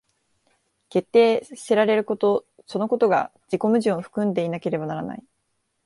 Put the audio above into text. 決定せられることそのことが自己矛盾を含んでいなければならない。